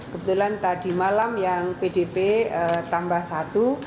kebetulan tadi malam yang pdp tambah satu